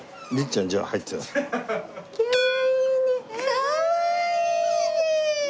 かわいいね。